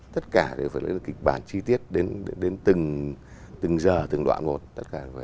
tất cả đều phải lấy được kịch bản chi tiết đến từng giờ từng đoạn một